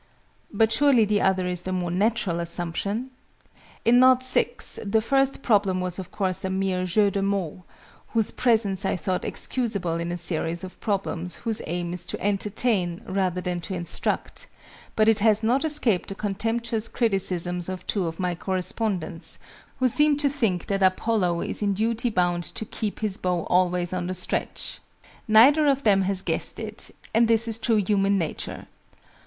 But surely the other is the more natural assumption? In Knot VI., the first Problem was of course a mere jeu de mots, whose presence I thought excusable in a series of Problems whose aim is to entertain rather than to instruct: but it has not escaped the contemptuous criticisms of two of my correspondents, who seem to think that Apollo is in duty bound to keep his bow always on the stretch. Neither of them has guessed it: and this is true human nature.